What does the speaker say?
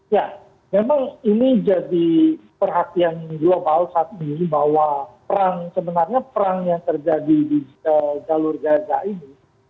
ya memang ini jadi perhatian global saat ini bahwa perang sebenarnya perang yang terjadi di jalur gaza ini